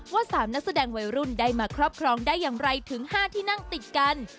ว่า๓นักแสดงวัยรุ่นได้มาครอบครองได้อย่างไรถึง๕ที่นั่งติดกัน